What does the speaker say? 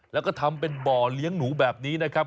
แล้วก็ทำเป็นบ่อเลี้ยงหนูแบบนี้นะครับ